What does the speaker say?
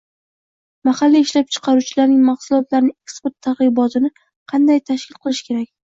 Mahalliy ishlab chiqaruvchilarning mahsulotlarini eksport targ’ibotini qanday tashkil qilish kerak?